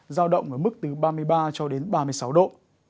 giao động ở mức từ ba mươi ba ba mươi sáu độ